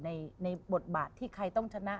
ในบทบาทที่ใครต้องชนะ